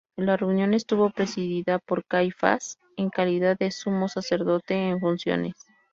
La reunión estuvo presidida por Caifás, en calidad de Sumo Sacerdote en funciones.